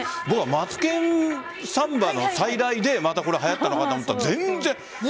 「マツケンサンバ」の再来ではやったのかと思ったら全然。